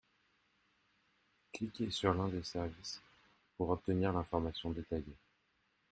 Cliquez sur l'un des services pour obtenir l'information détaillée.